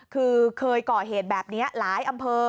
คือเคยก่อเหตุแบบนี้หลายอำเภอ